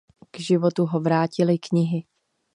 K životu ho vrátily knihy.